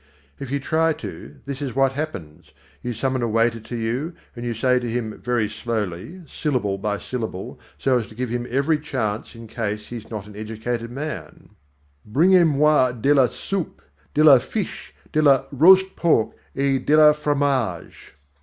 If you try to, this is what happens. You summon a waiter to you and you say to him very slowly, syllable by syllable, so as to give him every chance in case he's not an educated man: "Bringez moi de la soupe, de la fish, de la roast pork et de la fromage."